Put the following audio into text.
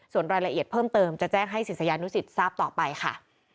ส่วนรายละเอียดเพิ่มเติมจะแจ้งให้ศิษยานุสิตทราบต่อไปค่ะ